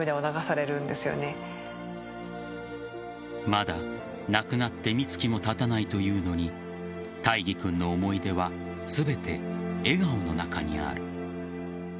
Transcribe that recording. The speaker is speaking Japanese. まだ亡くなって三月もたたないというのに大義君の思い出は全て笑顔の中にある。